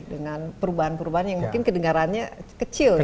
dengan perubahan perubahan yang mungkin kedengarannya kecil ya